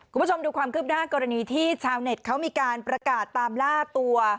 คุณผู้ชมดูความคืบหน้ากรณีที่ชาวเน็ตเขามีการประกาศตามล่าตัว